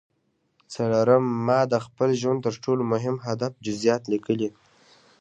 څلورم ما د خپل ژوند د تر ټولو مهم هدف جزييات ليکلي.